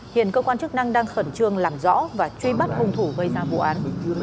hiện cơ quan chức năng đang khẩn trương làm rõ và truy bắt hung thủ gây ra vụ án